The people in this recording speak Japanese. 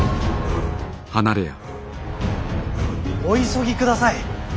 お急ぎください。